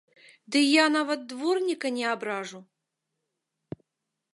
Ды я нават дворніка не абражу!